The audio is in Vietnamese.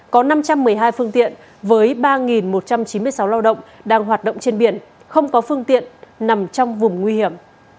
có năm trăm một mươi hai phương tiện với ba một trăm chín mươi sáu lao động đang hoạt động trên biển không có phương tiện nằm trong vùng nguy hiểm